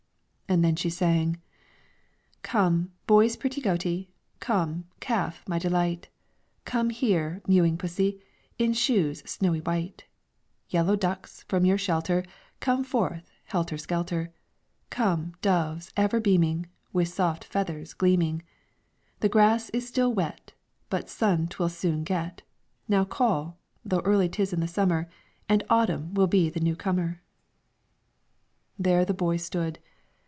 And then she sang, "Come, boy's pretty goatie, Come, calf, my delight, Come here, mewing pussie, In shoes snowy white, Yellow ducks, from your shelter, Come forth, helter skelter. Come, doves, ever beaming, With soft feathers gleaming! The grass is still wet, But sun 't will soon get; Now call, though early 't is in the summer, And autumn will be the new comer." [Footnote 1: Auber Forestier's translation.] There the boy stood.